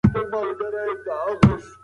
د روسيې مامور د ده سامان تفتيش کړ.